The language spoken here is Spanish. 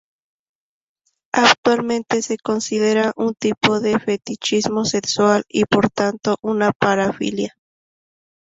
Actualmente se considera un tipo de fetichismo sexual y, por tanto, una parafilia.